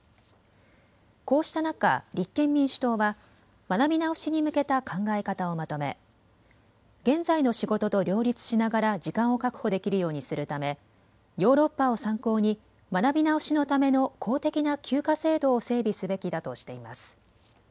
こうした中、立憲民主党は学び直しに向けた考え方をまとめ現在の仕事と両立しながら時間を確保できるようにするためヨーロッパを参考に学び直しのための公的な休暇制度を整備すべきだとしています。